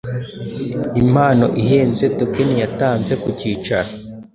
Impano ihenze-token yatanze ku cyicaro